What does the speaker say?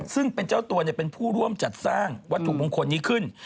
ซึ่งเป็นเจ้าตัวเป็นผู้ร่วมจัดสร้างวัตถุมงคลนี้ขึ้น